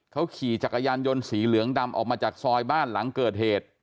เขาขี่จักรยานยนต์สีเหลืองดำออกมาจากซอยบ้านหลังเกิดเหตุ